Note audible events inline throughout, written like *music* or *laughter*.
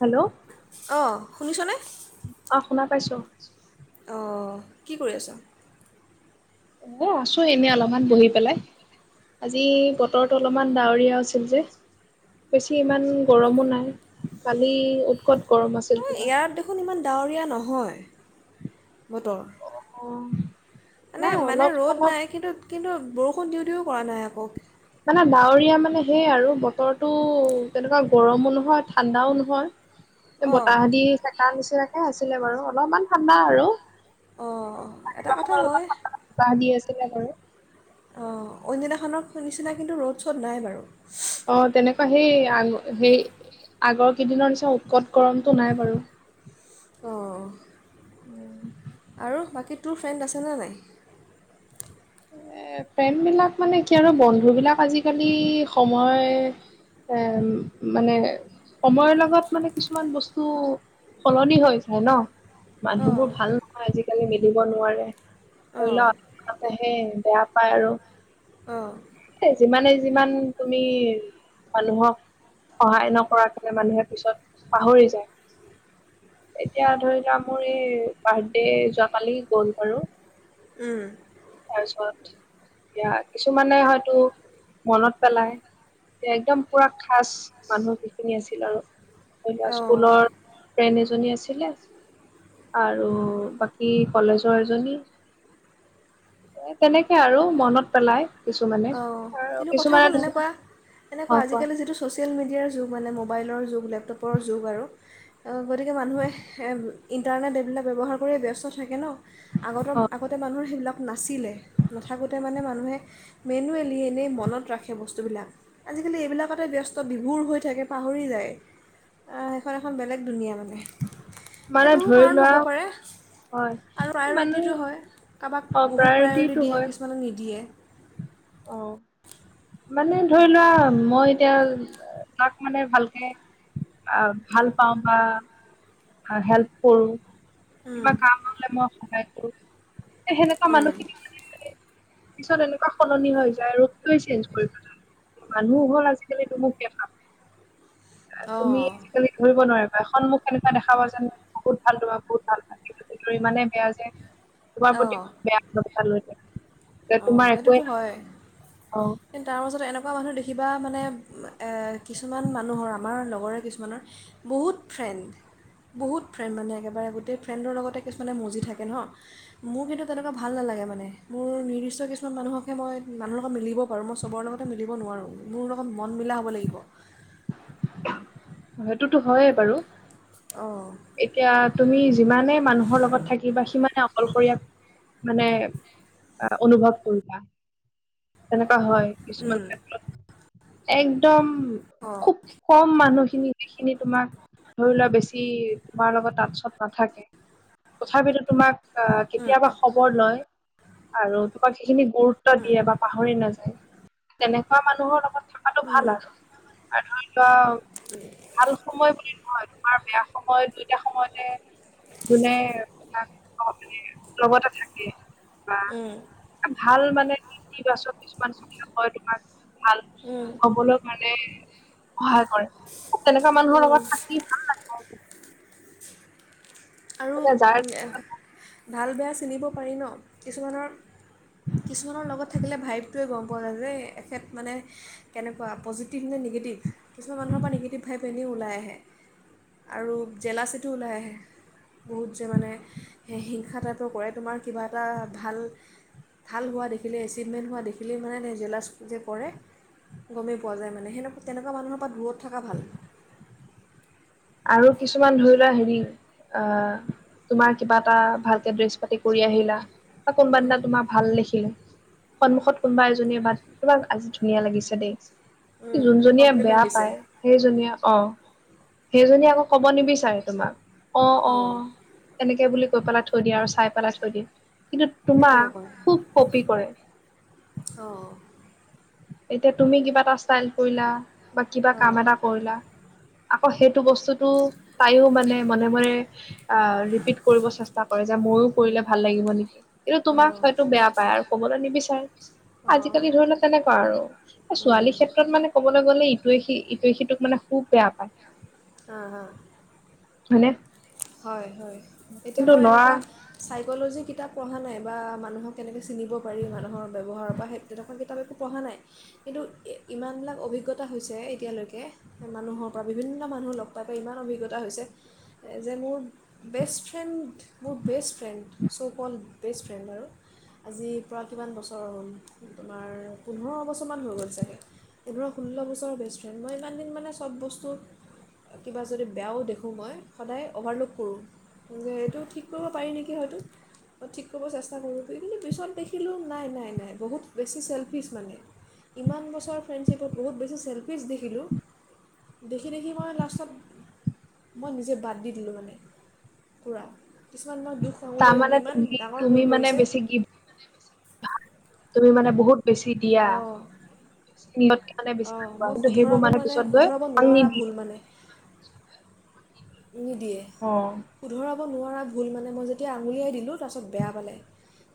Hello. অ', শুনিছনে? অ শুনা পাইছো। অ', কি কৰি আছ? এ, আছো এনে অলপমান বহি পেলাই। আজি বতৰতো অলপমান ডাৱৰীয়াও আছিল যে। বেছি ইমান গৰমো নাই, কালি উৎকট গৰম আছিল অ', কিবা ইয়াত দেখোন ইমান ডাৱৰীয়া নহয়, বতৰ। অ'। মানে নাই মানে অলপ ৰ'দ অলপ নাই কিন্তু কিন্তু বৰষুণ দিউ দিউও কৰা নাই আকৌ। মানে ডাৱৰীয়া মানে সেই আৰু বতৰটো তেনেকুৱা গৰমো নহয় ঠাণ্ডাও নহয়। অঁ বতাহ দি চেকা নিচিনাকে আছিলে বাৰু অলপমান ঠাণ্ডা আৰু। অ' এটা ৰাতিপুৱা কথা সময়ত হয়। অলপমান ঠাণ্ডা *unintelligible* অ' অইন দিনাখনৰ নিচিনা কিন্তু ৰ'ড শ্ব'ড নাই বাৰু। অ', তেনেকুৱা সেই আ সেই আগৰ কেইদিনৰ নিচিনা উতকত গৰমতটো নাই বাৰু। অ'। উম। কি তোৰ ফ্ৰেণ্ড আছেনে নাই? এ প্ৰেম বিলাক মানে কি আৰু বন্ধু বিলাক আজিকালি সময় এ মানে সময়ৰ লগত মানে কিছুমান বস্তু সলনি হৈ যায় ন'। অঁ মানুহবোৰ ভাল নহয় আজিকালি মিলিব নোৱাৰে, ধৰি অঁ লোৱা এ বেয়া পায় আৰু অঁ এ যিমানেই যি যিমান তুমি মানুহক সহায় নকৰাকে মানুহে পিছত পাহৰি যায় এতিয়া ধৰি লোৱা মোৰ এই বাৰ্থডে যোৱাকালি গ'ল বাৰু উম তাৰপিছত এয়া কিছুমানে হয়তো মনত পেলায়। একদম পুৰা খাচ মানুহ যিখিনি আছিল আৰু। অঁ স্কুলৰ ফ্ৰেড এজনী আছিলে। আৰু বাকী কলেজৰ এজনী। এ তেনেকে আৰু মনত পেলাই। কিছুমানে অঁ আৰু কিন্তু কথা কিছুমানে হল ধৰি এনেকুৱা অ এনেকুৱা কোৱা আজিকালি যিটো ছ'চিয়েল মিডিয়াৰ যুগ মানে ম মোবাইলৰ যুগ লেপটপৰ যুগ আৰু গতিকে মানুহে ইণ্টাৰনেট এইবিলাক ব্যৱহাৰ কৰিয়ে ব্যস্ত থাকে ন আগতৰ অ আগতে মানুহ সেইবিলাক নাছিলে নাথাকোঁতে মানে মানুহে মেনুৱেলি এনেই মনত ৰাখে বস্তুবিলাক আজিকালি এইবিলাকতে ব্যস্ত বিভুৰ হৈ থাকে পাহৰি যায় সেইখন এখন বেলেগ দুনীয়া মানে *unintelligible* মানে ধৰি লোৱা হয় আৰু মানুহ প্ৰায়ৰিটিটো হয় কাবাক অ বহুত প্ৰায়ৰিটি প্ৰায়ৰিটিটো দিয়ে হয় কিছুমানক নিদিয়ে অ মানে ধৰি লোৱা মই এতিয়া তাক মানে ভালকে আহ ভাল পাওঁ বা হেল্প কৰো কিবা কাম হলে মই সহায় কৰো সেনেকুৱা উম, মানুহখিনি পিছত এনেকুৱা সলনি হৈ যায় ৰূপটোৱে চেঞ্জ কৰি পেলায় মানুহ হল আজিকালি তোমোক দেখাম অ', তুমি আজিকালি ধৰিব নোৱাৰিবা এখন মুখ দেখা পা যেন বহুত ভাল তোমাৰ বহুত ভাল সেই সেইটো ইমানেই বেয়া যে তোমাৰ প্ৰতি বেয়া *unintelligible* লৈ থাকে যে অঁ তোমাৰ একোৱে সেইটোতো হয় অ' কিন্তু তাৰপাছত এনেকুৱা মানুহ দেখিবা মানে কিছুমান মানুহৰ আমাৰ লগৰে কিছুমানৰ বহুত ফ্ৰেণ্ড বহুত ফ্ৰেণ্ড মানে একেবাৰে গোটেই ফ্ৰেণ্ডৰ লগতে কিছুমানে মজি থাকে ন মোৰ কিন্তু তেনেকুৱা ভাল নালাগে নালাগে মানে মোৰ নিশ্চয় কিছুমান মানুহকহে মই মানুহৰ লগত মিলিব পাৰোঁ মই চবৰে লগতে মিলিব নোৱাৰোঁ মোৰ লগত মন মিলা হ'ব লাগিব সেইটোতো হয়ে বাৰু অ', এতিয়া তুমি যিমানে মানুহৰ লগত থাকিবা সিমানে অলশৰীয়া মানে অনুভৱ কৰিবা তেনেকুৱা হয় কিছুমান উম, ক্ষেত্ৰত একদম অ', খুব কম মানুহখিনি সেইখিনি তোমাক ধৰি লোৱা বেছি তোমাৰ লগত তাঁতচত নাথাকে তথাপিতো তোমাক অ কেতিয়াবা খবৰ লয় আৰু তোমাক সেইখিনি গুৰুত্ব দিয়ে বা পাহৰি নাযায় তেনেকুৱা মানুহৰ লগত থকাাতটো ভাল আৰু এ ধৰি ল ভাল সময় বুলি ভ আমাৰ বেয়া সময়ত দুইটা সময়তে যোনে তোমাক মানে লগতে থাকে বা উম, এ ভাল মানে ইতিবাচক কিছুমান সুখীয়া হয় তোমাৰ ভাল উম, হবলৈ মানে সহায় কৰে তেনেকুৱা মানুহৰ উম। লগত থাকি ভাল লাগে আৰু যাৰ ভাল বেয়া চিনিব পাৰি ন কিছুমানৰ কিছুমানৰ লগত থাকিলে ভাইভটোৱে গম পোৱা যায় যে এখেত মানে কেনেকুৱা পজিটিভ নিগেটিভ কিছুমান মানুহৰ পৰা নিগেটিভ ভাইপ এনেও ওলাই আহে। আৰু জেলাচীটো ওলাই আহে। বহুত যে মানে হিংসা টাইপৰ কৰে তোমাৰ কিবা এটা ভাল। ভাল হোৱা দেখিলে এচিভমেণ্ট হোৱা দেখিলেই মানে জেলাছ যে কৰে। গমেই পোৱা যায় মানে সেনেকুৱা তেনেকুৱা মানুহৰ পৰা দূৰত থকা ভাল। আৰু কিছুমান ধৰি লোৱা হেৰি। অহ তোমাৰ কিবা এটা ভালকে ড্ৰেছ পাতি কৰি আহিলা। বা কোনবাদিনা তোমাৰ ভাল দেখিল সন্মুখত কোনোবা এজনীয়ে বাট তোমাক আজি ধুনীয়া লাগিছে দেই যোনজনীয়ে কমপ্লিমেণ্ট বেয়া দিছে পায় সেইজনীয়ে অ সেইজনী আকৌ কব নিবিচাৰে তোমাক অ অ অঁ তেনেকে বুলি কৈ পেলাই থৈ দিয়ে আৰু চাই পেলাই থৈ দিয়ে কিন্তু একো তোমাক খুব কঁপি কৰে অ এতিয়া তুমি কিবা এটা ষ্টাইল কৰিলা বা কিবা কাম অঁ এটা কৰিলা আকৌ সেইটো বস্তুটো পাইও মানে মনে মনে অ ৰিপিট কৰিব চেষ্টা কৰে যে। মইও কৰিলে ভাল লাগিব নেকি। কিন্তু তোমাক হয়তো বেয়া পায় আৰু কবলৈ নিবিচাৰে অঁ আজিকালি ধৰি লোৱা তেনে। আৰু অঁ ছোৱালী ক্ষেত্ৰত মানে ক'বলৈ গ'লে ইটোৱে সি ইটোৱে সিটোক মানে খুব বেয়া পায়। হা হা। হয়নে। হয় হয় এতিয়া কিন্তু মই ল'ৰা এনেকুৱা চাই। চাইকো'লজি কিতাপ পঢ়া নাই বা মানুহক কেনেকৈ চিনিব পাৰি মানুহৰ ব্যৱহাৰৰ পৰা সেই তেনেকুৱা কিতাপ একো পঢ়া নাই। *unintelligible* কিন্তু ইমান বিলাক অভিজ্ঞতা হৈছে এতিয়ালৈকে মানুহৰ পৰা বিভিন্ন মানুহ লগ। পাই ইমান অভিজ্ঞতা হৈছে। যে মোৰ বেষ্টফ্ৰেণ্ড মোৰ বেষ্টফ্ৰেণ্ড চোকল্ড বেষ্টফ্ৰেণ্ড আৰু। আজিৰ পৰা কিমান বছৰ হ'ল তোমাৰ পোন্ধৰ বছৰমান হৈ গ'ল চাগে। এইবোৰৰ ষোল্ল বছৰৰ বেষ্টফ্ৰেণ্ড মই ইমান দিন মানে চব বস্তু। কিবা যদি বেয়াও দেখোঁ মই। সদায় অভাৰলুক কৰোঁ সেইটো ঠিক কৰিব পাৰি নেকি হয়তো। মই ঠিক কৰিব চেষ্টা কৰোঁ কিন্তু পিছত দেখিলোঁ নাই নাই নাই বহুত বেছি চেলফিছ মানে। ইমান বছৰ ফ্ৰেণ্ডশ্বিপত বহুত বেছি চেল্ফিছ দেখিলোঁ। দেখি দেখি মই লাষ্টত মই নিজে। বাদ দি দিলোঁ মানে পুৰা। কিমান মই দোষ আঙুলিয়াই তাৰমানে দিলোঁ ইমান তুমি ডাঙৰ তুমি ভুল মানে কৰিছে। বেছি গিফ্ট *unintelligible* তুমি মানে বহুত বেছি দিয়া। অঁ *unintelligible* মানে অঁ বিচাৰোৱা মই কিন্তু সেইবোৰ শুধৰাব মানে পিছত গৈ শুধৰাব নোৱাৰা নিদিয়ে। ভুল মানে নিদিয়ে অ শুধৰাব নোৱাৰা ভুল মানে মই যেতিয়া আঙুলিয়াই দিলোঁ তাৰপাছত বেয়া পালে।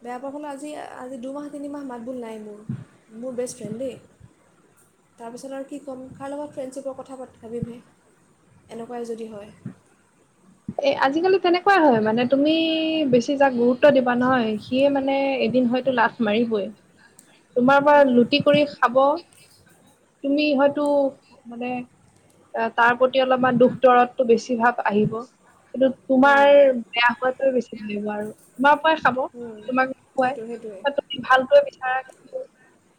বেয়া পোৱা কোনো আজি আজি দুমাহ তিনিমাহ মাতবোল নাই মোৰ মোৰ বেষ্টফ্ৰেণ্ড দেই। তাৰপিছত আৰু কি ক'ম কাৰ লগত ফ্ৰেণ্ডশ্বিপৰ কথা পা ভাবিমহে। এনেকুৱাই যদি হয়। এ আজিকালি তেনেকুৱাই হয় মানে তুমি বেছি যাক গুৰুত্ব দিবা নহয় সিয়ে মানে। এদিন হয়তো লাত মাৰিবই। তোমাৰ পৰা লুটি কৰি খাব তুমি হয়তো মানে। তাৰ প্ৰতি অলপমান দুখ দৰতটো বেছিভাৱ আহিব। কিন্তু তোমাৰ বেয়া হোৱাতে বেছি লাগিব আৰু তোমাৰ পৰা। খাব তোমাল লুকুৱাই সেইটোৱে সেইটোৱে তুমি ভালটোৱে বিচৰা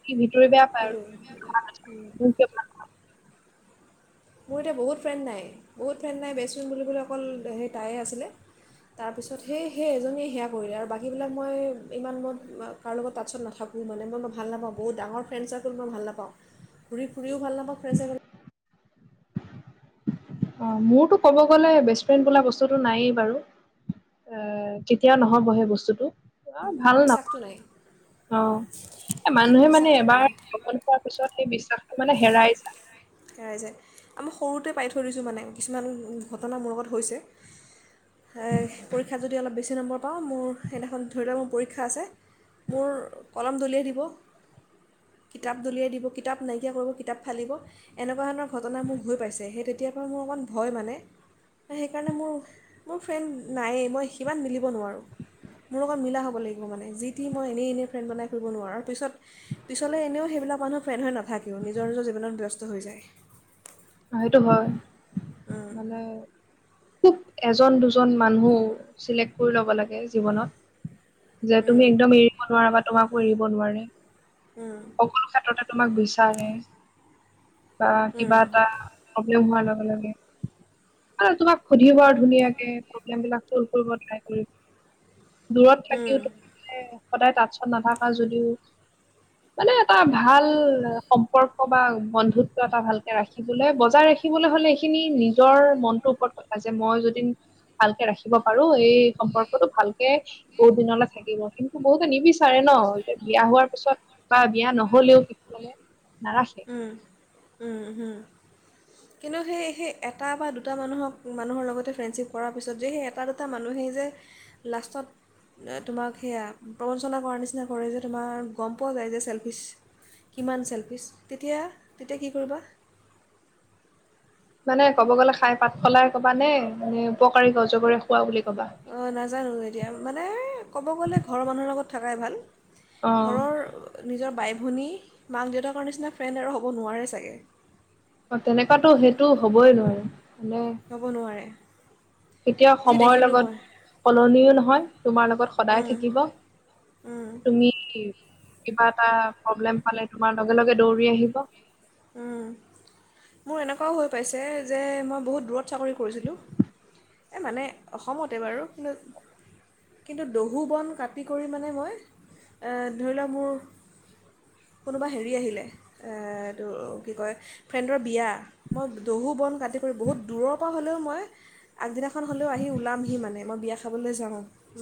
কিন্তু। ভিতৰি বেয়া পায় সেইটো'। আৰু মোৰ এতিয়া বহুত ফ্ৰেণ্ড নাই বহুত ফ্ৰেণ্ড নাই বেষ্টফ্ৰেণ্ড বুলিবলৈ অকল সেই তাইয়ে আছিলে। তাৰপিছত সেই সেই এজনীয়ে সেয়া কৰিলে আৰু বাকীবিলাক মই ইমান মই কৰোঁ লগত টাৰ্চত নাথাকোঁ। মানে মই ভাল নাপাওঁ বহুত ডাঙৰ ফেণ্ড চাৰ্কেল ভাল নাপাওঁ ঘূৰি ফুৰিও ভাল নাপাওঁ ফ্ৰেণ্ড চাৰ্কেল। অ মোৰতো ক'ব গ'লে বেষ্ট ফ্ৰেণ্ড বোলা বস্তুটো নাইয়েই বাৰু। এ কেতিয়াও নহব সেই বস্তুটো ভাল নাপওঁ বিশ্বাসটো নাই অ এ মানুহে মানে বিশ্বাসটো এবাৰ ঠগন পোৱাৰ পিছত সেই বিশ্বাস ৰাইজে আমাৰ সৰুতে পাই থৈ দিছোঁ মানে কিছুমান ঘটনা মোৰ লগত হৈছে পৰীক্ষাত যদি অলপ বেছি নম্বৰ পাওঁ মোৰ সেইদিনাখন ধৰি লও ম পৰ ৰীক্ষা আছে মোৰ কলম দলিয়াই দিব কিতাপ দলিয়াই দিব, কিতাপ নাইক কিয় কৰোঁ কিতাপ ফালিব এনেকুৱা ধৰণৰ ঘটনা মোৰ হৈ পাইছে সেই তেতিয়াৰ পৰা মোৰ অকণ ভয় মানে। সেইকাৰণে মোৰ মোৰ ফ্ৰেণ্ড নায়েই মই সিমান মিলিব নোৱাৰোঁ। মোৰ লগত মিলা হ'ব লাগিব মানে যিটি মই এনেই এনেই ফ্ৰেণ্ড বনাই ফুৰি নোৱাৰোঁ পিছত পিছলৈ এনেও। এইবিলাক মানুহৰ ফ্ৰেণ্ড হৈ নাথাকিও নিজৰ নিজৰ জীৱনত ব্যস্ত হৈ যায়। সেইটো হয় মানে। খুব এজন দুজন মানুহ চিলেক্ট কৰি ল'ব লাগে জীৱনত। যে তুমি একদম এৰিব নোৱাৰা বা তোমাকো এৰিব নোৱাৰে সকলো ক্ষেত্ৰতে তোমাক বিচাৰে বা কিবা এটা প্ৰব্লেম হোৱাৰ লগে লগে আৰু তোমাক সুধিব আৰু ধুনীয়াকে প্ৰব্লেম বিলাক চল্ভ কৰিব ট্ৰাই কৰি দূৰত থাকিও সদায় তাঁতচত নাথাকা যদিও মানে এটা ভাল সম্পৰ্ক বা বন্ধুত্ব এটা ভালকে ৰাখি ৰাখিবলৈ বজাই ৰাখিবলৈ হলে এইখিনি নিজৰ মনটোৰ ওপৰত কথা যে মই যদি ভালকে ৰাখিব পাৰো এই সম্পৰ্কটো ভালকে বহুত দিনলৈ থাকিব কিন্তু বহুতে নিবিচাৰে ন ন যে বিয়া হোৱাৰ পিছত বা বিয়া নহলেও কিছু মানে নাৰাখে উওম উওম কিন্তু সেই সেই এটা বা দুটা মানুহক মানুহৰ লগতে ফ্ৰেণ্ডশ্বিপ কৰাৰ পিছত যে সেই এটা দুটা মানুহে হেই যে লাষ্টত তোমাক সেয়া প্ৰবঞ্চনা কৰাৰ নিচিনা কৰে যে তোমাৰ গম পোৱা যায় যে চেল্ফিচ কিমান চেলফিচ তেতিয়া তেতিয়া কি কৰিবা? মানে ক'ব গ'লে খাই পাত ফলাই কবা নে নে উপকাৰীক অজগৰে খোৱা বুলি কবা অ নাজানো এতিয়া মানে ক'ব গ'লে ঘৰৰ মানুহৰ লগত থকাই ভাল ঘৰৰ অ নিজৰ বাই ভনী, মাক, দেউতাকৰ নিচিনা ফ্ৰেণ্ড আৰু হ'ব নোৱাৰে চাগে অ তেনেকুৱাতো সেইটো হবই নোৱাৰি হ'ব নোৱাৰে এতিয়াও যি সময়ৰ দেখিলোঁ মই লগত সলনিও নহয় তোমাৰ লগত সদায় উম, থাকিব উম, তুমি কিবা এটা প্ৰব্লেম পালে তোমাৰ লগে লগে দৌৰি আহিব *inaudible* উম। মোৰ এনেকুৱাও হৈ পাইছে যে মই বহুত দূৰত চাকৰি কৰিছিলোঁ এই মানে অসমতে বাৰু কিন্তু কিন্তু দহু বন কাটি কৰি মানে মই ধৰি লওক মোৰ কোনোবা হেৰি আহিলে এ টো কি কয় ফ্ৰেণ্ডৰ বিয়া মই দহু বন কাটি কৰি বহুত দূৰৰ পৰা হ'লেও মই *inaudible* আগদিনাখন হ'লেও আহি ওলামহি মানে মই বিয়া খাবলৈ যাওঁ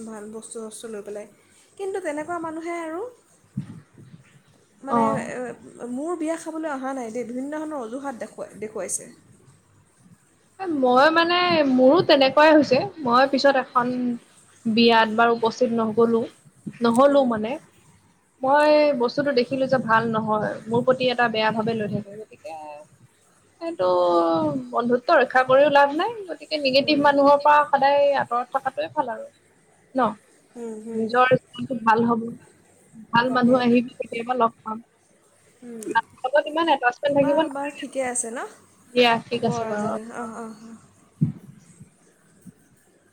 ভাল বস্তু চস্তু লৈ পেলাই কিন্তু তেনেকুৱা মানুহে আৰু অ মানে মোৰ বিয়া খা খাবলৈ অহা নাই দেই বিভিন্ন ধৰণৰ অজুহাত দেখাই দেখুৱাইছে মই মানে মোৰো তেনেকুৱাই হৈছে মই পিছত এখন বিয়াত বাৰ উপস্থিত নগলো নহলো দেখুৱাইছে মানে মই বস্তুটো দেখিলো যে ভাল নহয় মোৰ প্ৰতি এটা বেয়া ভাবে লৈ থাকে গতিকে সেইটো বন্ধুত্ব ৰক্ষা কৰিও লাভ নাই গতিকে নিগেটিভ মানুহৰ পৰা সদায় আঁতৰত থকাটোৱে ভাল আৰু ন', হুম হুম নিজৰ জীৱনটো ভাল হ'ব ভাল মানুহ তাকে আহিবি কেতিয়াবা লগ পাম। লগত ইমান এটাচমেণ্ট থাকিব বাৰু বাৰু নালাগে। ঠিকে আছে ন' দিয়া ঠিক হ'ব আছে বাৰু। আজিলৈ। অ', অ'।